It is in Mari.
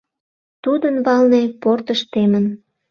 Тудын валне портыш темын